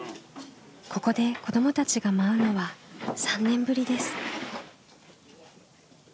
ここで子どもたちが舞うのは３年ぶりです。